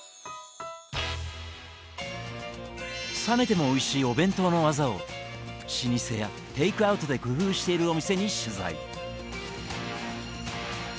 冷めてもおいしいお弁当のワザを老舗やテイクアウトで工夫しているお店に取材。